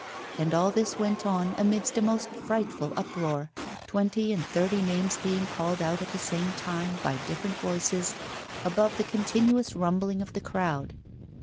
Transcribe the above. And all this went on amidst a most frightful uproar, twenty and thirty names being called out at the same time by different voices, above the continuous rumbling of the crowd.